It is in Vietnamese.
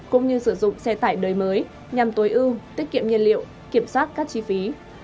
cũng như sử dụng xe tải đời mới nhằm tối ưu tiết kiệm nhiên liệu kiểm soát các chi phí